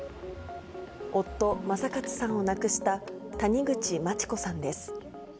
夫、正勝さんを亡くした谷口真知子さんです。